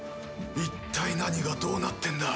いったい何がどうなってんだ。